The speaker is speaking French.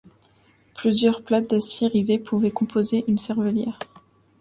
Plusieurs plates d'acier rivées pouvaient composer une cervelière.